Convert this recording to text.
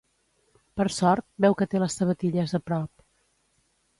Per sort, veu que té les sabatilles a prop.